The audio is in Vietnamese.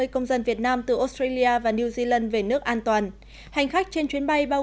ba mươi công dân việt nam từ australia và new zealand về nước an toàn hành khách trên chuyến bay bao